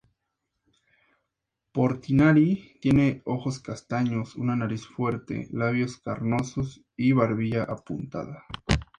Portinari tiene ojos castaños, una nariz fuerte, labios carnosos y barbilla apuntada.